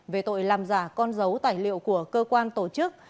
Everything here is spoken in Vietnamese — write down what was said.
về tội làm giả con dấu tài liệu của cơ quan tổ chức